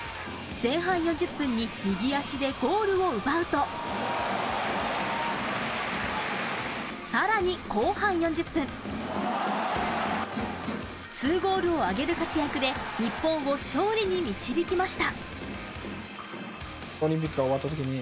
月曜日のホンジュラス戦では前半４０分に右足でゴールを奪うと、さらに後半４０分、２ゴールを挙げる活躍で日本を勝利に導きました。